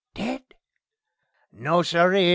... Dead? No, siree!